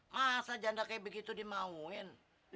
masa janda kayak begitu dimauin